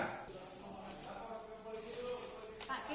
pak tira pak tira